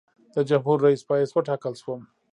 د جمهورریس په حیث وټاکل شوم.